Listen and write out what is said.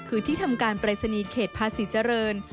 คือที่ทำการปรายศนีย์เขตภาษีเจริญ